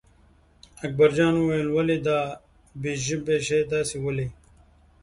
اکبرجان وویل ولې دا بې ژبې شی تاسې ولئ.